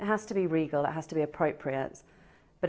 ini harus berpikir yang tepat harus berpikir yang tepat